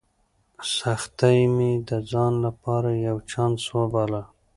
سختۍ مې د ځان لپاره یو چانس وباله.